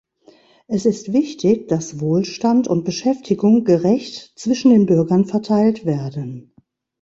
Es ist wichtig, dass Wohlstand und Beschäftigung gerecht zwischen den Bürgern verteilt werden.